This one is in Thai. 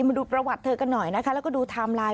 มาดูประวัติเธอกันหน่อยนะคะแล้วก็ดูไทม์ไลน์